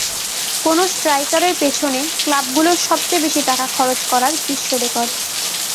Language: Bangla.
কোনো স্ট্রাইকারের পেছনে ক্লাবগুলোর সবচেয়ে বেশি টাকা খরচ করার বিশ্ব রেকর্ড।